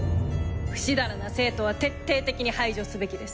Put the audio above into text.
ふしだらな生徒は徹底的に排除すべきです。